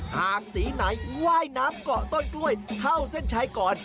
หากสีไหนว่ายน้ำเกาะต้นกล้วยเข้าเส้นชัยก่อน